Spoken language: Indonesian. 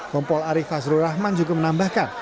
kompol arief fazrul rahman juga menambahkan